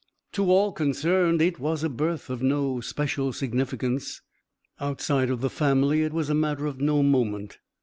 To all concerned it was a birth of no special significance. Outside of the family it was a matter of no moment.